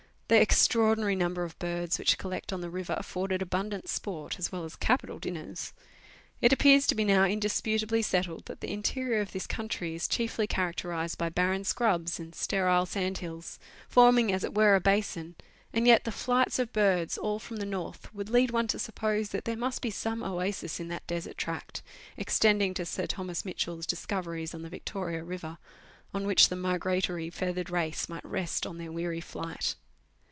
The extra ordinary number of birds which collect on the river afforded abundant sport, as well as capital dinners. It appears to be now indisputably settled that the interior of this country is chiefly characterized by barren scrubs and sterile sandhills, forming as it were a basin, and yet the flights of birds all from the north would lead one to suppose that there must be some oasis in that desert tract extending to Sir Thomas Mitchell's discoveries on the Vic toria River, on which the migratory feathered race might rest on their weary flight.